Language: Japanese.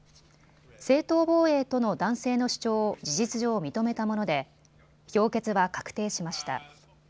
正当防衛との男性の主張を事実上認めたもので評決は確定しました。